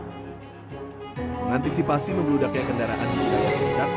mengantisipasi membludaknya kendaraan di arah puncak